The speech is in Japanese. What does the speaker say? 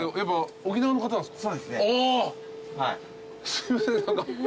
すいません何か。